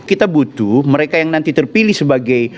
kita butuh mereka yang nanti terpilih sebagai